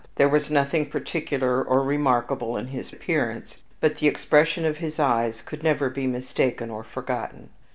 There was nothing particular or remarkable in his appearance, but the expression of his eyes could never be mistaken or forgotten.